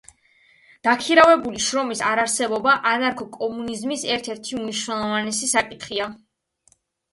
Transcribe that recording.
დაქირავებული შრომის არარსებობა ანარქო-კომუნიზმის ერთ-ერთი უმნიშვნელოვანესი საკითხია.